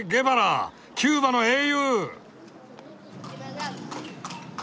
キューバの英雄！